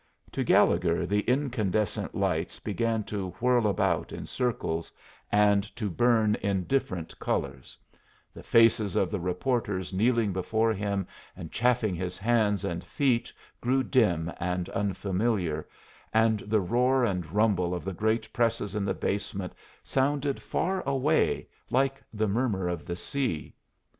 [Illustration: "Why, it's Gallegher," said the night editor.] To Gallegher the incandescent lights began to whirl about in circles, and to burn in different colors; the faces of the reporters kneeling before him and chafing his hands and feet grew dim and unfamiliar, and the roar and rumble of the great presses in the basement sounded far away, like the murmur of the sea.